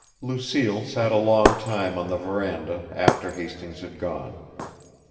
Lucille sat a long time on the verandah after Hastings had gone.